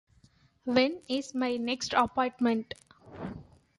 When is my next appointment?